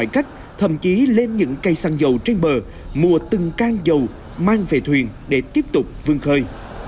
cách thậm chí lên những cây xăng dầu trên bờ mùa từng can dầu mang về thuyền để tiếp tục vương khơi